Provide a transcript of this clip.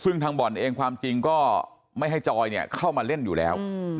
ซึ่งทางบ่อนเองความจริงก็ไม่ให้จอยเข้ามาเล่นอยู่แล้ว